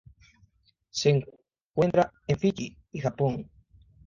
Se encuentra en Fiyi y Japón.